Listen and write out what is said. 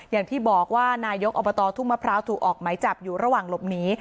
อย่างที่บอกว่านายกอบตทุ่งมะพร้าวถูกออกไหมจับอยู่ระหว่างหลบหนี